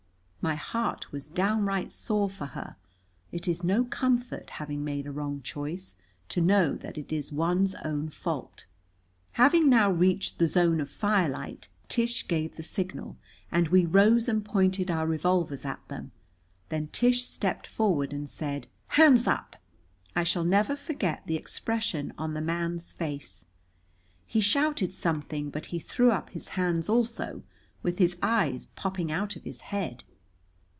My heart was downright sore for her. It is no comfort, having made a wrong choice, to know that it is one's own fault. Having now reached the zone of firelight Tish gave the signal, and we rose and pointed our revolvers at them. Then Tish stepped forward and said: "Hands up!" I shall never forget the expression on the man's face. He shouted something, but he threw up his hands also, with his eyes popping out of his head.